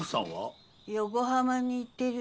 横浜に行ってる。